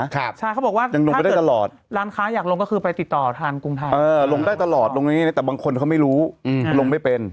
ถ้าเกิดร้านค้าอยากลงก็คือไปติดต่อทางกรุงไทยลงได้ตลอดแต่บางคนเขาไม่รู้ลงไม่เป็น